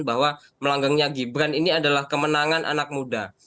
bahwa melanggangnya gibran ini adalah kemenangan anak muda